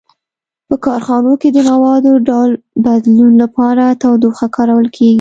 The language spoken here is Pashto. په کارخانو کې د موادو ډول بدلولو لپاره تودوخه کارول کیږي.